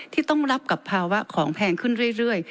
ที่ต้องรับกับภาวะของแพงขึ้นเรื่อย